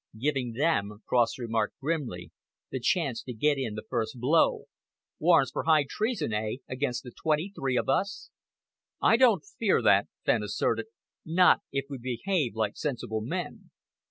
"Giving them," Cross remarked grimly, "the chance to get in the first blow warrants for high treason, eh, against the twenty three of us?" "I don't fear that," Fenn asserted, "not if we behave like sensible men.